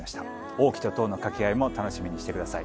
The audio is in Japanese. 王騎と騰の掛け合いも楽しみにしてください。